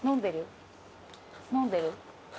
飲んでる。